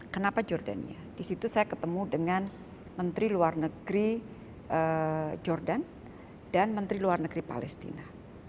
kenapa jordania di situ saya ketemu dengan menteri luar negeri jordan dan menteri luar negeri palestina